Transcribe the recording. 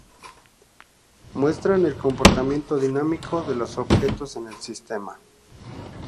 Muestran el comportamiento dinámico de los objetos en el sistema.